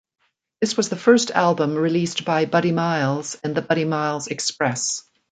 This was the first album released by Buddy Miles and the Buddy Miles Express.